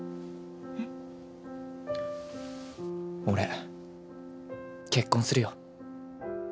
俺結婚するよ。